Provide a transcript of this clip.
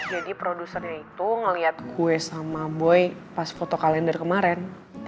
jadi produsernya itu ngeliat gue sama boy pas foto kalender kemaren